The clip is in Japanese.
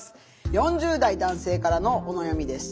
４０代男性からのお悩みです。